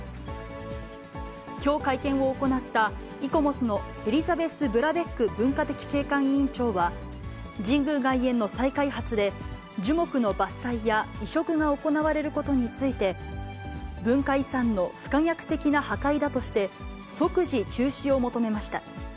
きょう、会見を行ったイコモスのエリザベス・ブラベック文化的景観委員長は、神宮外苑の再開発で樹木の伐採や移植が行われることについて、文化遺産の不可逆的な破壊だとして、即時中止を求めました。